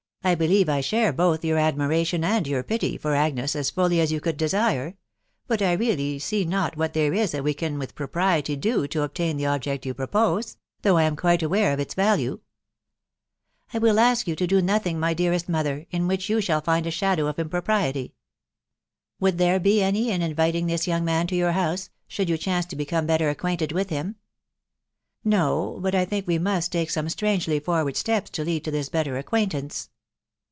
" I believe I share both your admiration and your pity for Ajgnes as fully as you could desire ; but I really see not what there is that we can with propriety do to obtain the object you propose .... though I am quite aware of its value." " I will ask you to do nothing, my dearest mother, in which you shall find a shadow of impropriety. Would there be any in inviting this young man to your house, should you chance to become better acquainted with him ?"" No ; but I think we must take some strangely forward steps to lead to this better acquaintance."